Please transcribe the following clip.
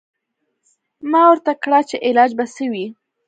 ما ورته کړه چې علاج به څه وي.